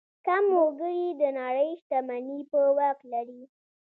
کم وګړي د نړۍ شتمني په واک لري.